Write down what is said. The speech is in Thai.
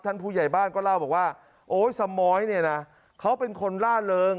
ผู้ใหญ่บ้านก็เล่าบอกว่าโอ๊ยสมอยเนี่ยนะเขาเป็นคนล่าเริง